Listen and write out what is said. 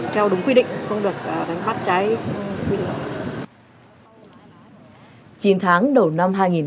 theo đúng quy định không được đánh bắt trái quy định